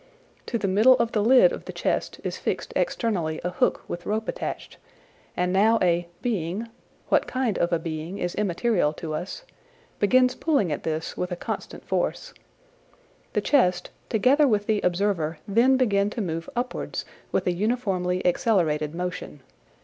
To the middle of the lid of the chest is fixed externally a hook with rope attached, and now a " being " (what kind of a being is immaterial to us) begins pulling at this with a constant force. The chest together with the observer then begin to move "upwards" with a uniformly accelerated motion.